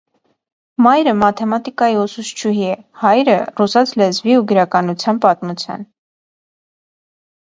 Մայրը մաթեմատիկայի ուսուցչուհի է, հայրը՝ ռուսաց լեզվի ու գրականության, պատմության։